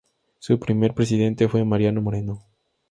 Su primer presidente fue Mariano Moreno.